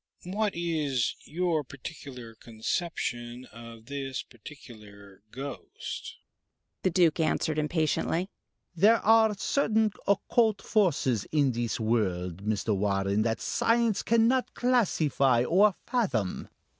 What is your particular conception of this particular ghost?" The Duke answered impatiently. "There are certain occult forces in this world, Mr. Warren, that science cannot classify or fathom.